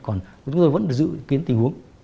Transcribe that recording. còn chúng tôi vẫn giữ kiến tình huống